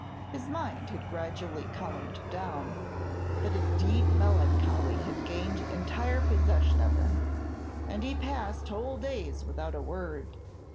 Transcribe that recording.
His mind had gradually calmed down, but a deep melancholy had gained entire possession of him, and he passed whole days without a word.